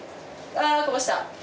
あこぼした。